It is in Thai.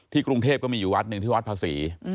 ที่กรุงเทพก็มีอยู่วัด๑ที่วัดพระรี